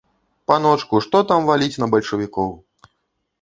Паночку, што там валіць на бальшавікоў!